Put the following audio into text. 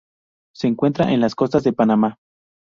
Se encuentra en las costas de Panamá.